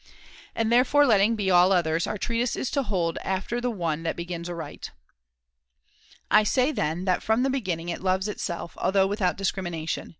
And therefore letting be all the others, our treatise is to hold after the one that begins aright. I say, then, that from the beginning it loves itself, although without discrimination.